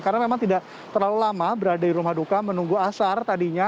karena memang tidak terlalu lama berada di rumah duka menunggu asar tadinya